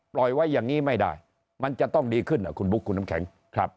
ปล่อยไว้อย่างนี้ไม่ได้มันจะต้องดีขึ้นคุณบุ๊คคุณน้ำแข็งครับ